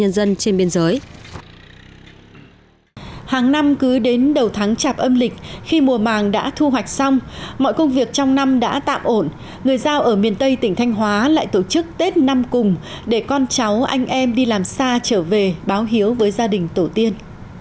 hàng năm cứ đến đầu tháng chạp âm lịch khi mùa màng đã thu hoạch xong mọi công việc trong năm đã tạm ổn người giao ở miền tây tỉnh thanh hóa lại tổ chức tết năm cùng để con cháu anh em đi làm xa trở về báo hiếu với gia đình tổ tiên